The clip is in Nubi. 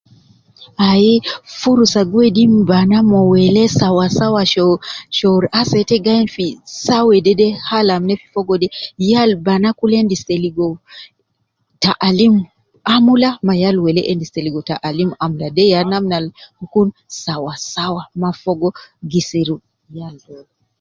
Ai furusa gi wedi banaa ma welee sawa sawa sho, shor asede te gi ayin fi saa wedede hal al ina fi fogo de yal banaa kul endis te ligo ta alim amula ma yal welee endis te ligo ta alim amula, de ya namna al gi kun sawa sawa, mma fogo gishiri yal dole.